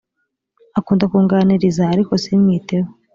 akunda kunganiriza ariko simwiteho